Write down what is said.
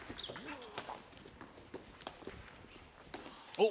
おっ。